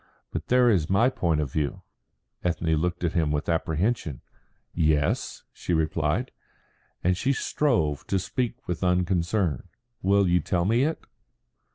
"But there is my point of view." Ethne looked at him with apprehension. "Yes?" she replied, and she strove to speak with unconcern. "Will you tell me it?"